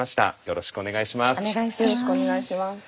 よろしくお願いします。